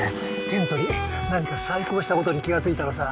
テントに何か細工をしたことに気がついたのさ。